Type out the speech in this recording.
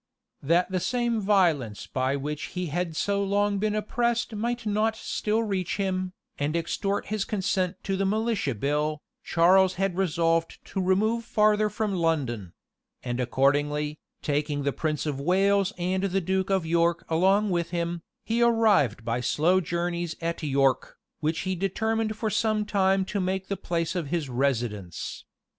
That the same violence by which he had so long been oppressed might not still reach him, and extort his consent to the militia bill, Charles had resolved to remove farther from London; and accordingly, taking the prince of Wales and the duke of York along with him, he arrived by slow journeys at York, which he determined for some time to make the place of his residence.